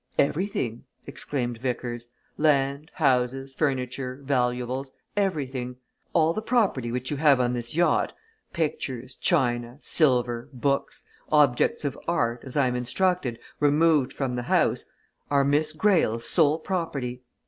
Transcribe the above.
"Everything!" exclaimed Vickers. "Land, houses, furniture, valuables everything. All the property which you have on this yacht pictures, china, silver, books, objects of art, as I am instructed, removed from the house are Miss Greyle's sole property.